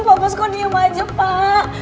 pak bos kok diem aja pak